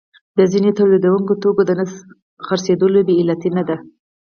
د ځینو تولیدونکو د توکو نه خرڅېدل بې علته نه دي